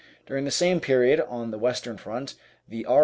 During the same period on the Western front the R.